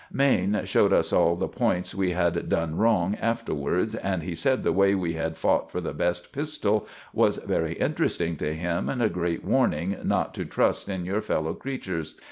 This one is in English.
Maine showed us all the points we had done wrong afterwards, and he sed the way we had fought for the best pistell was very interesting to him and a grate warning not to trust in your fellow creetures.